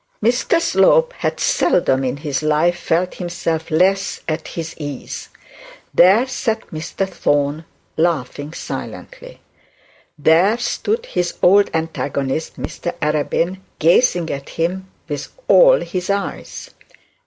Mr Slope had seldom in his life felt himself less at his case. There sat Mr Thorne, laughing silently. There stood his old antagonist, Mr Arabin, gazing at him with all his eyes.